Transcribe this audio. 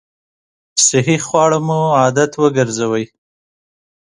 صحي خواړه مو عادت وګرځوئ!